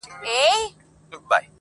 • نه د چا په زړه کي رحم، نه زړه سوی وو -